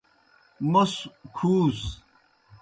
موْس کُھوس۔